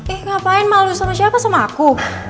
eh ngapain malu suruh siapa sama aku